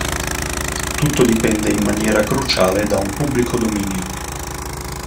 Tutto dipende in maniera cruciale da un pubblico dominio.